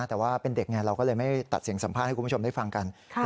แต่ว่าเป็นเด็กไงเราก็เลยไม่ตัดเสียงสัมภาษณ์ให้คุณผู้ชมได้ฟังกัน